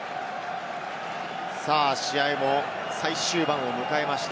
さあ試合も最終盤を迎えました。